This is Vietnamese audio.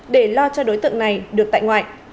để lo cho đối tượng này được tại ngoại